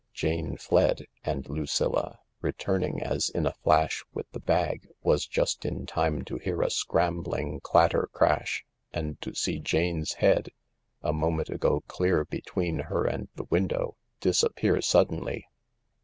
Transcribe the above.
Jane fled— ^and Lucilla, returning as in a flash with the bag, was just in time to hear a scrambling clatter crash, and to see Jane's head, a moment ago clear between her and the window, disappear suddenly.